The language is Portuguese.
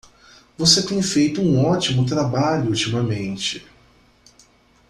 Você tem feito um ótimo trabalho ultimamente.